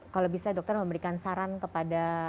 kalau bisa dokter memberikan saran kepada